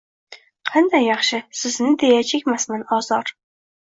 Qanday yaxshi, sizni deya chekmasman ozor